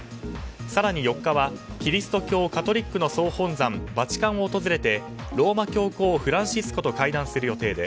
更に４日はキリスト教カトリックの総本山バチカンを訪れてローマ教皇フランシスコと会談する予定で